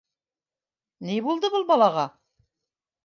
Ни булды был балаға?